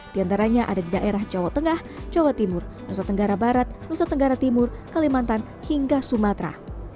di antaranya ada di daerah jawa tengah jawa timur nusa tenggara barat nusa tenggara timur kalimantan hingga sumatera